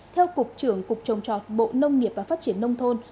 theo cục trưởng cục trồng trọt bộ nông nghiệp và phát triển nông thôn